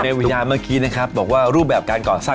วิญญาเมื่อกี้นะครับบอกว่ารูปแบบการก่อสร้าง